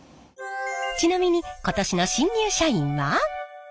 ちなみに今年の新入社員は？